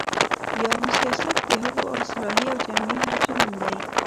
یا هم سياست د هغو اصلاحي او جمعي هڅو نوم دی،